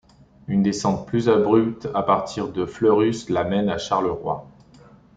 Une descente plus abrupte à partir de Fleurus la mène à Charleroi.